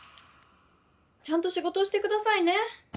ちゃんとしごとしてくださいね。